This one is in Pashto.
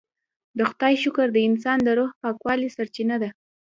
د خدای شکر د انسان د روح پاکوالي سرچینه ده.